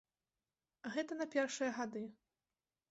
Гэта на першыя гады.